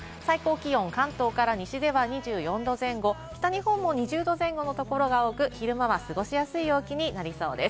最高気温、関東から西では２４℃前後、北日本も２０℃前後のところが多く、昼間は過ごしやすい陽気になりそうです。